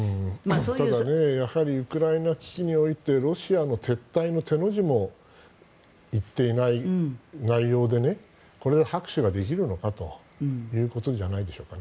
ただウクライナ危機においてロシアの撤退の「て」の字も言っていない内容でねこれで拍手ができるのかということじゃないでしょうか。